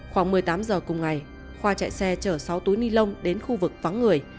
khoảng một mươi tám giờ cùng ngày khoa chạy xe chở sáu túi ni lông đến khu vực vắng người